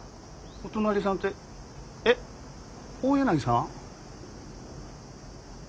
お隣さんってえっ大柳さん？